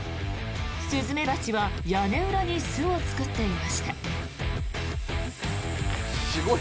スズメバチは屋根裏に巣を作っていました。